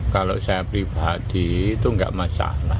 kalau saya pribadi itu enggak masalah